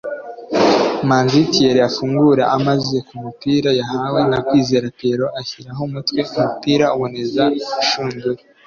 Manzi Thierry afungure amaze ku mupira yahawe na Kwizera Pierrot ashyiraho umutwe umupira uboneza urushundura